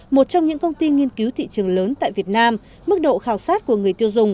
một trong những công ty nghiên cứu thị trường lớn tại việt nam mức độ khảo sát của người tiêu dùng